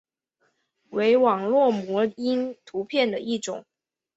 为网络模因图片的一种。